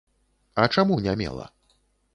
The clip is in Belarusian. А чаму не мела?